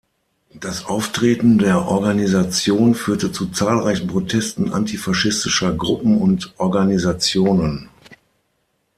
Das Auftreten der Organisation führte zu zahlreichen Protesten antifaschistischer Gruppen und Organisationen.